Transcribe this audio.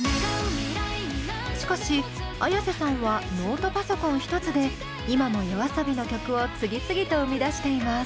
しかしＡｙａｓｅさんはノートパソコン１つで今もＹＯＡＳＯＢＩの曲を次々と生み出しています。